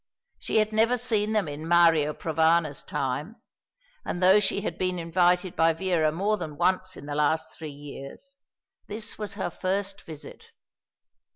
She had never seen them in Mario Provana's time, and though she had been invited by Vera more than once in the last three years, this was her first visit.